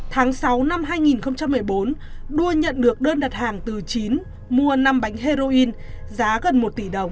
tháng sáu năm hai nghìn một mươi bốn đua nhận được đơn đặt hàng từ chín mua năm bánh heroin giá gần một tỷ đồng